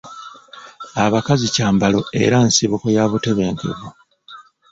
Abakazi kyambalo era nsibuko ya butebenkevu.